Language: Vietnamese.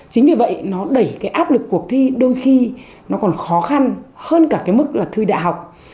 chính vì vậy nó đẩy cái áp lực cuộc thi đôi khi nó còn khó khăn hơn cả cái mức là thư đại học